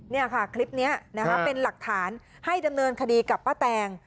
นี่ค่ะคลิปนี้นะคะเป็นหลักฐานให้ดำเนินคดีกับป้าแตง